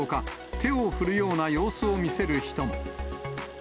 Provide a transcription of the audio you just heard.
手を振るような様子を見せる人も。